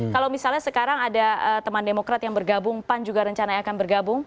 kalau misalnya sekarang ada teman demokrat yang bergabung pan juga rencana akan bergabung